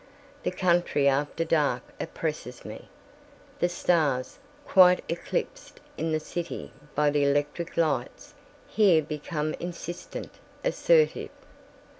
The country after dark oppresses me. The stars, quite eclipsed in the city by the electric lights, here become insistent, assertive.